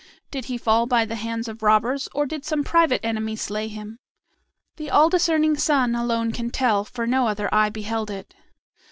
Did he fall by the hands of robbers or did some private enemy slay him? The all discerning sun alone can tell, for no other eye beheld it.